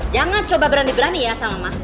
jangan coba berani berani ya sama mas